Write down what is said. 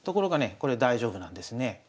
これ大丈夫なんですね。